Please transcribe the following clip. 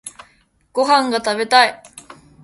ご飯が食べたい。